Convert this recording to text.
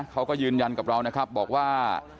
เขาก็ยืนยันกับเรานะครับบอกว่า